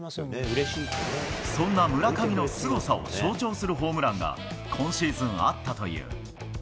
そんな村上のすごさを象徴するホームランが、今シーズンあったという。